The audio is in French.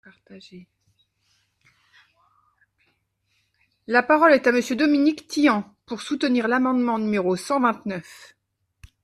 La parole est à Monsieur Dominique Tian, pour soutenir l’amendement numéro cent vingt-neuf.